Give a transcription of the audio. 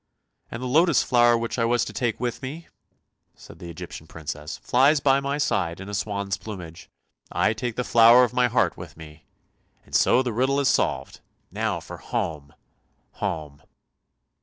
" And the lotus flower which I was to take with me," said the Egyptian Princess, " flies by my side in a swan's plumage. I take the flower of my heart with me, and so the riddle is solved. Now for home! home!